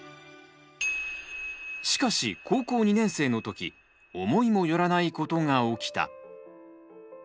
しかし高校２年生のとき思いもよらないことが起きた。